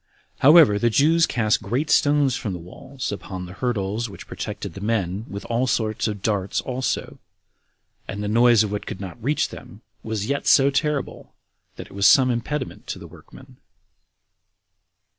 However, the Jews cast great stones from the walls upon the hurdles which protected the men, with all sorts of darts also; and the noise of what could not reach them was yet so terrible, that it was some impediment to the workmen.